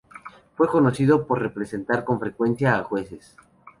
Fue conocido por representar con frecuencia a jueces.